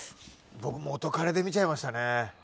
僕、元カレで見ちゃいましたね。